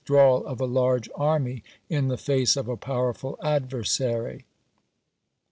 drawal of a large army in the face of a powerful ^pl'5i." adversary."